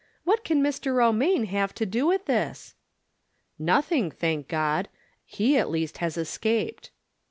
" What can Mr. Romaine have to do with this ?"" Nothing, thank God. He, at least, has es caped."